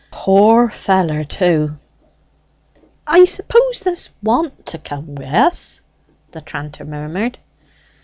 "Pore feller, too. I suppose th'st want to come wi' us?" the tranter murmured.